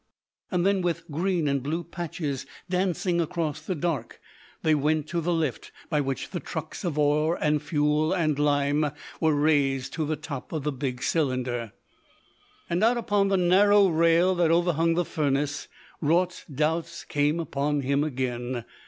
Then, with green and blue patches dancing across the dark, they went to the lift by which the trucks of ore and fuel and lime were raised to the top of the big cylinder. And out upon the narrow rail that overhung the furnace, Raut's doubts came upon him again.